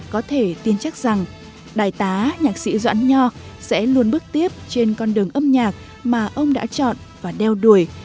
có thể tin chắc rằng đại tá nhạc sĩ doãn nho sẽ luôn bước tiếp trên con đường âm nhạc mà ông đã chọn và đeo đuổi